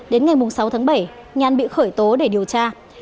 đến ngày sáu tháng bảy nhàn bị khởi tố để điều tra